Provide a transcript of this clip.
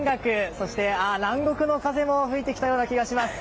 そして南国の風も吹いてきたような気がします。